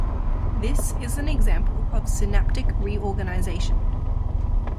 This is an example of "synaptic reorganisation".